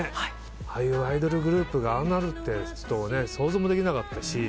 ああいうアイドルグループがああなるってちょっと想像もできなかったし。